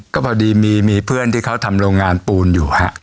ก็พอดีมีเพื่อนที่เขาทำโรงงานปูนอยู่ฮะ